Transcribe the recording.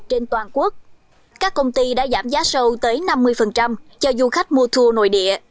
trên toàn quốc các công ty đã giảm giá sâu tới năm mươi cho du khách mua thua nội địa